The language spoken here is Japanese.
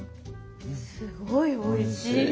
すごいおいしい。